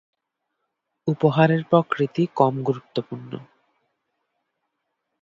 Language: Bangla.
উপহারের প্রকৃতি কম গুরুত্বপূর্ণ।